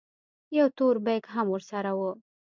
يو تور بېګ هم ورسره و.